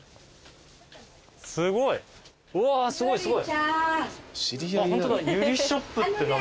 すごいうわすごいすごい。